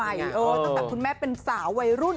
ตั้งแต่คุณแม่เป็นสาววัยรุ่น